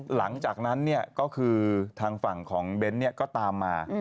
หลังจากนั้นเนี่ยก็คือทางฝั่งของเบนเนี่ยก็ตามมา